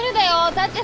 だってさ